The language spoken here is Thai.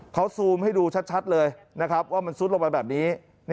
เขาซูมให้ดูชัดเลยนะครับว่ามันซุดลงไปแบบนี้